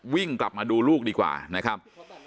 วิ่งกลับมาดูลูกดีกว่านะครับ